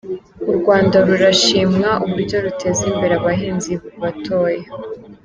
U Rwanda rurashimwa uburyo ruteza imbere abahinzi batoya